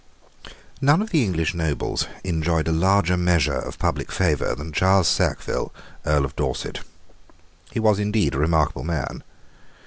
None of the English nobles enjoyed a larger measure of public favour than Charles Sackville Earl of Dorset. He was indeed a remarkable man.